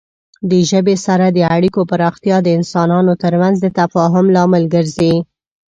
د ژبې سره د اړیکو پراختیا د انسانانو ترمنځ د تفاهم لامل ګرځي.